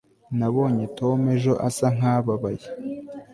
nabonye tom ejo asa nkababaye